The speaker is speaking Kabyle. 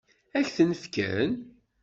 Ad k-ten-fken?